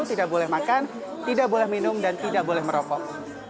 tidak boleh makan tidak boleh minum dan tidak boleh merokok